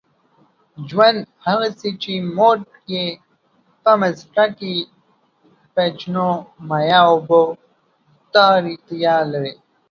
ژوند، هغسې چې موږ یې په مځکه کې پېژنو، مایع اوبو ته اړتیا لري.